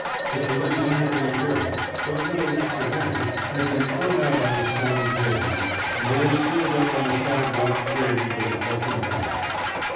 The collision had been averted, but little *^ Spaghetti ^' had been thrown out on the stone pavement, and lay curled up on a side walk grating with a broken body.